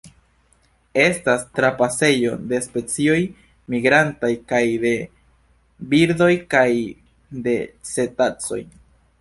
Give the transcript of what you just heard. Estas trapasejo de specioj migrantaj kaj de birdoj kaj de cetacoj.